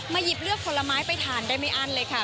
หยิบเลือกผลไม้ไปทานได้ไม่อั้นเลยค่ะ